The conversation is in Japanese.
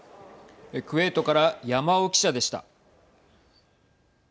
クウェートから山尾記者でした。